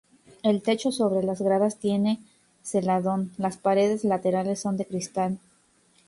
El techo sobre las gradas tiene celadón, las paredes laterales son de cristal.